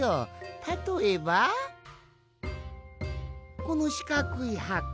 たとえばこのしかくいはこ。